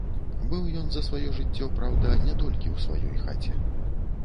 Быў ён за сваё жыццё, праўда, не толькі ў сваёй хаце.